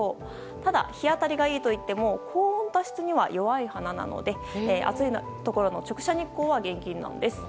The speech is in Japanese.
ただ、日当たりがいいといっても高温多湿には弱い花なので暑いところの直射日光は厳禁なんです。